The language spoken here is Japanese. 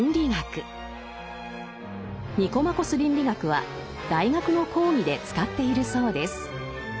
「ニコマコス倫理学」は大学の講義で使っているそうです。